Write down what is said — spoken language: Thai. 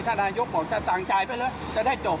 ท่านอายุกษ์บอกท่านสั่งจ่ายไปเลยจะได้จบ